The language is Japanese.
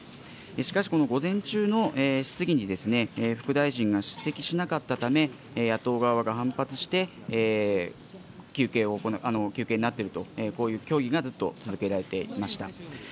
しかし、この午前中の質疑に副大臣が出席しなかったため、野党側が反発して、休憩になっていると、こういう協議がずっと続けられていました。